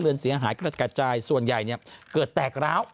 เรือนเสียหายกระจายส่วนใหญ่เกิดแตกร้าว